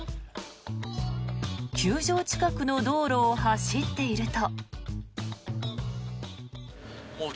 球場近くの道路を走っていると。